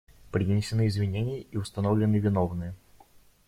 Принесены извинения и установлены виновные.